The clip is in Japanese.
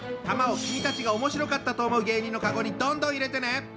玉を君たちがおもしろかったと思う芸人のカゴにどんどん入れてね。